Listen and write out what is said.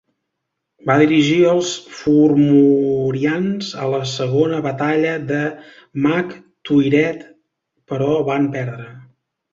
Va dirigir els formorians a la segona batalla de Magh Tuired, però van perdre.